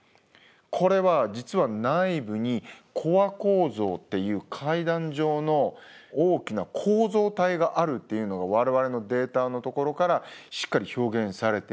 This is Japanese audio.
これは実は内部にコア構造っていう階段状の大きな構造体があるっていうのが我々のデータのところからしっかり表現されています。